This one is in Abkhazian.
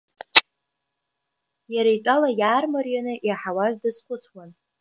Иара итәала иаармарианы иаҳауаз дазхәыцуан.